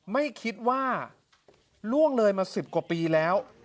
ไม่คิดว่าล่วงเลยมา๑๐กว่าปีแล้ว